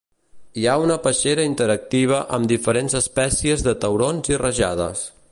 Hi ha una peixera interactiva amb diferents espècies de taurons i rajades.